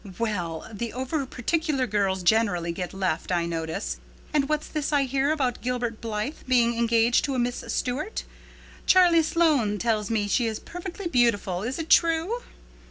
"Well, the over particular girls generally get left, I notice. And what's this I hear about Gilbert Blythe being engaged to a Miss Stuart? Charlie Sloane tells me she is perfectly beautiful. Is it true?"